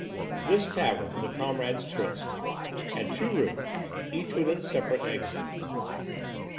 This tavern, "The Comrades' Tryst," had two rooms, each with its separate exit.